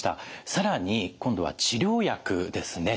更に今度は治療薬ですね。